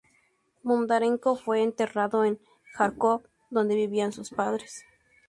Bondarenko fue enterrado en Járkov, donde vivían sus padres.